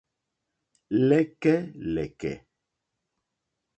Lɛ̀kɛ́lɛ̀kɛ̀.